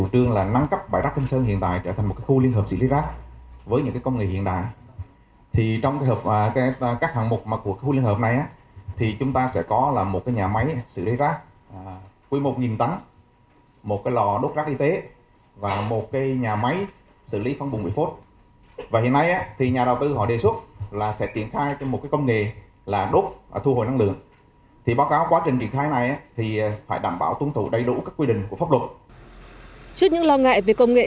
trước những lo ngại về công nghệ